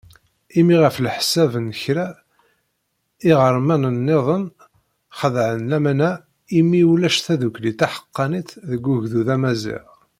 Imi ɣef leḥsab n kra, iɣermanen-nniḍen xedɛen laman-a imi ulac tadukkli taḥeqqanit deg ugdud amaziɣ.